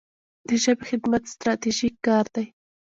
د ژبې خدمت ستراتیژیک کار دی.